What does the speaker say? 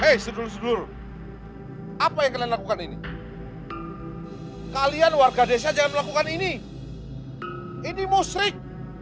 hai sedul sedul apa yang kalian lakukan ini kalian warga desa jangan lakukan ini ini musrik